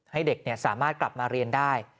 ให้เด็กสามารถกลับมาเรียนได้